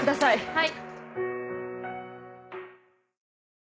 はい。